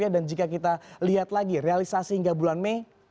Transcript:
dan jika kita lihat lagi realisasi hingga bulan mei